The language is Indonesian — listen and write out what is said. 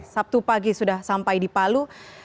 sabtu pagi sudah sampai di palu